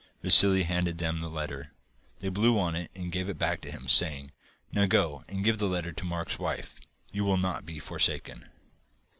Vassili handed them the letter. They blew on it and gave it back to him, saying: 'Now go and give the letter to Mark's wife. You will not be forsaken.